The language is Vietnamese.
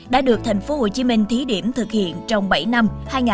đã được tp hcm thí điểm thực hiện trong bảy năm hai nghìn chín hai nghìn một mươi sáu